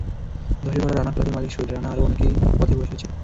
ধসে পড়া রানা প্লাজার মালিক সোহেল রানা আরও অনেককেই পথে বসিয়েছেন।